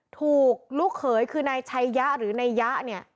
ถูกลูกเขยคือในชายะหรือในยะเนี่ย